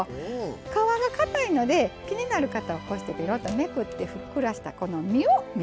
皮がかたいので気になる方はこうしてペロッとめくってふっくらしたこの身を召し上がってください。